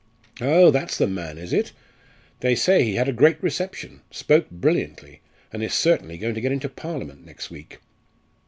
Oh! that's the man, is it? they say he had a great reception spoke brilliantly and is certainly going to get into Parliament next week."